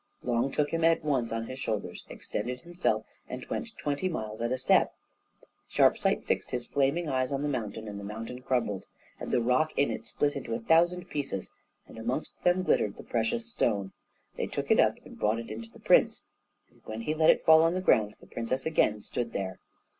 Long took him at once on his shoulders, extended himself, and went twenty miles at a step. Sharpsight fixed his flaming eyes on the mountain, the mountain crumbled, and the rock in it split into a thousand pieces, and amongst them glittered the precious stone. They took it up and brought it to the prince, and when he let it fall on the ground, the princess again stood there.